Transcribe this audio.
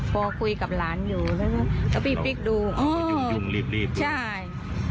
พอคุยกับหลานอยู่แล้วพี่พลิกดูอ๋อใช่